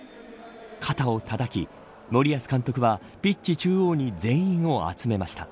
肩をたたき森保監督はピッチ中央に全員を集めました。